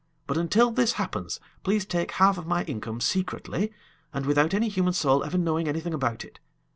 But until this happens, please take half of my income secretly, and without any human soul ever knowing anything about it.